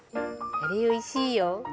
あれおいしいよ。